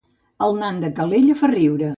El nan de Calella fa riure